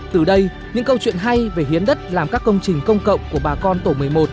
từ đây những câu chuyện hay về hiến đất làm các công trình công cộng của bà con tổ một mươi một